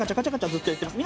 ずっといってます。